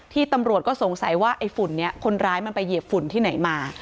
ตำรวจก็สงสัยว่าไอ้ฝุ่นนี้คนร้ายมันไปเหยียบฝุ่นที่ไหนมา